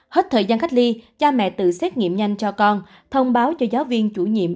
hết thời gian cách ly cha mẹ tự xét nghiệm nhanh cho con thông báo cho giáo viên chủ nhiệm